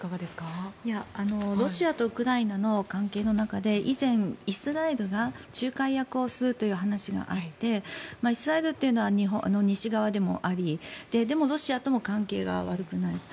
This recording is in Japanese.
ロシアとウクライナの関係の中で以前、イスラエルが仲介役をするという話があってイスラエルというのは西側でもあり、でもロシアとも関係が悪くないと。